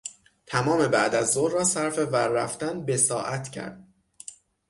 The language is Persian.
تمام بعد از ظهر را صرف ور رفتن به ساعت کرد.